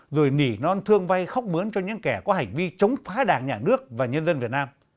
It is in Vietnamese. rồi nỉ non thương vay khóc bướn cho những kẻ có hành vi chống phá đảng nhà nước và nhân dân việt nam